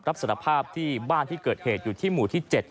รับสารภาพที่บ้านที่เกิดเหตุอยู่ที่หมู่ที่๗